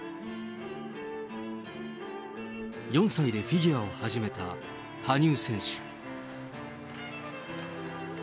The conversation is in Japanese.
４歳でフィギュアを始めた羽生選手。